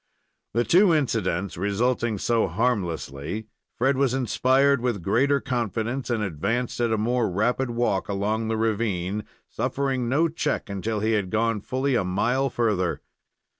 The two incidents resulting so harmlessly, Fred was inspired with greater confidence, and advanced at a more rapid walk along the ravine, suffering no check until he had gone fully a mile further.